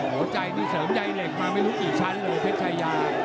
หัวใจนี่เสริมใยเหล็กมาไม่รู้กี่ชั้นเลยเพชรชายา